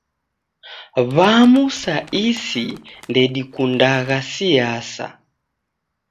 W'amu sa isi ndedikundagha siasa.